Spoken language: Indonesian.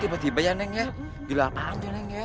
tiba tiba ya neng ya gila apaan tuh neng ya